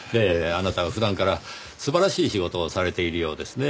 あなたは普段から素晴らしい仕事をされているようですねぇ。